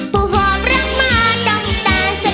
ผู้หอบรักมาด้มตาสละ